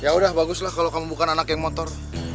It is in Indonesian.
yaudah bagus lah kalo kamu bukan anak yang motor